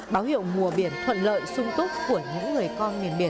báo hiệu mùa biển thuận lợi sung túc của những người con miền biển